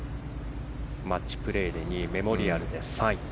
マッチプレーで２位メモリアルで３位。